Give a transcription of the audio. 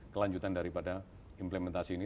kelanjutan daripada implementasi ini